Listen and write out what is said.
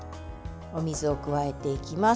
お水を加えていきます。